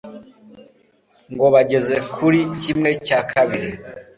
ngo bageze kuri kimwe cya kabiri